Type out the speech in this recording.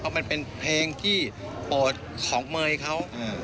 มันเป็นเพลงที่โปรดของเมย์เขา